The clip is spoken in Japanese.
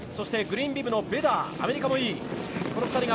グリーンビブのベダーアメリカもいい。